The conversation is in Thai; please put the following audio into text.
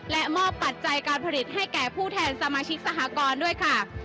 และมอบปัจจัยการผลิตให้แก่ผู้แทนสมาชิกสหกรณ์ด้วยค่ะ